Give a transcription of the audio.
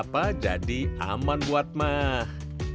apa jadi aman buat mah